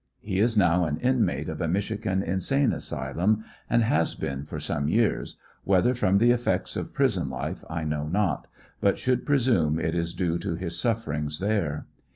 He is now an inmate of a Michigan insane asy lum, and has been for some years, whether from the effects of prison life I know not, but should presume it is due to his sufferings there.